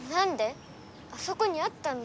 あそこにあったんだけど。